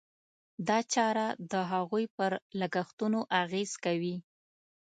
دا چاره د هغوی پر لګښتونو اغېز کوي.